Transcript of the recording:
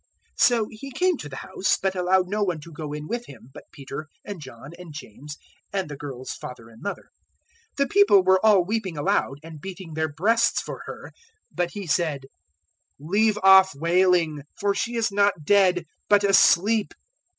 008:051 So He came to the house, but allowed no one to go in with Him but Peter and John and James and the girl's father and mother. 008:052 The people were all weeping aloud and beating their breasts for her; but He said, "Leave off wailing; for she is not dead, but asleep."